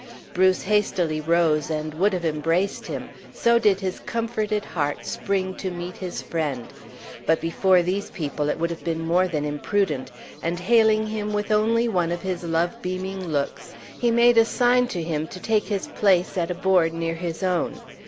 Bruce hastily rose and would have embraced him, so did his comforted heart spring to meet his friend; but before these people it would have been more than imprudent, and hailing him with only one of his love beaming looks, he made a sign to him to take his place at a board near his own.